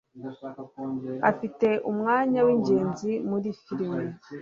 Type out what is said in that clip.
Afite umwanya wingenzi muri firime.